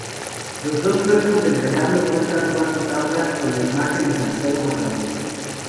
Los dos cuerpos del retablo muestran cuatro tablas con la imagen de Santiago matamoros.